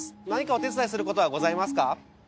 何かお手伝いすることはございますか？